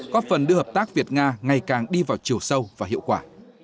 góp phần đưa hợp tác việt nga ngày càng đi vào chiều sâu và hiệu quả